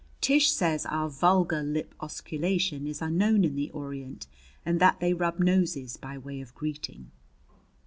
Tish says our vulgar lip osculation is unknown in the Orient and that they rub noses by way of greeting.